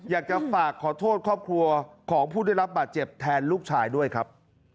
อยากจะฝากขอโทษครอบครัวของผู้ได้รับบาดเจ็บแทนลูกชายด้วยครับ